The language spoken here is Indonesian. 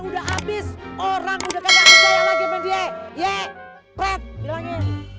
udah habis orangcingnovensia benny eie kret nya